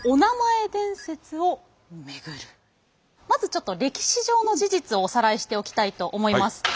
まずちょっと歴史上の事実をおさらいしておきたいと思います。